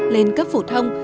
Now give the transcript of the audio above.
lên cấp phủ thông